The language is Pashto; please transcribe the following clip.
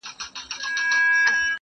نه یې پای ته رسېدل اوږده بحثونه!.